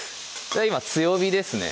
今強火ですね